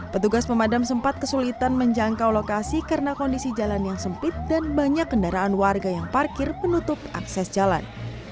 petugas pemadam sempat kesulitan menjangkau lokasi karena kondisi jalan yang sempit dan banyak kendaraan warga yang parkir menutup akses jalan